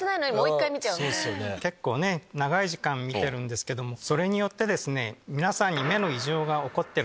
結構ね長い時間見てるんですけどもそれによって皆さんに。